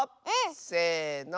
せの。